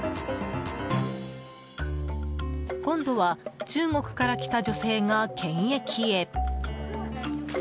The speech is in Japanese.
今度は中国から来た女性が検疫へ。